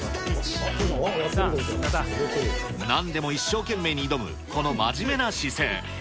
なんでも一生懸命に挑むこの真面目な姿勢。